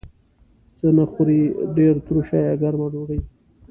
څه نه خورئ؟ ډیره تروشه یا ګرمه ډوډۍ